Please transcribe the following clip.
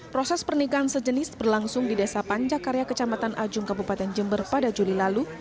proses pernikahan sejenis berlangsung di desa pancakarya kecamatan ajung kabupaten jember pada juli lalu